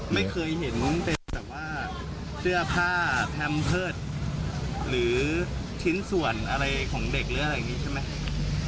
ไม่เคยเห็นเป็นแบบว่าเสื้อผ้าแพมเพิร์ตหรือชิ้นส่วนอะไรของเด็กหรืออะไรอย่างนี้ใช่ไหม